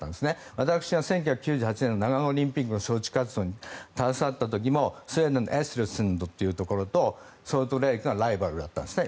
私が１９９８年の長野オリンピックの招致活動に携わった時もスウェーデンとソルトレークがライバルだったんですね。